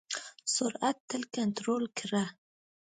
سرعت تل کنټرول کړه.